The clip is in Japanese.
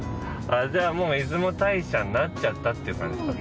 じゃあもう「出雲大社」になっちゃったっていう感じかな。